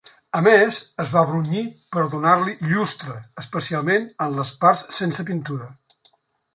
A més es va brunyir per donar-li llustre, especialment en les parts sense pintura.